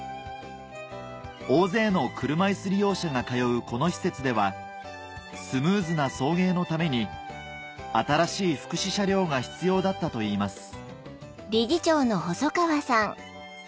大勢の車いす利用者が通うこの施設ではスムーズな送迎のために新しい福祉車両が必要だったといいます